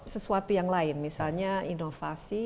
sesuatu yang lain misalnya inovasi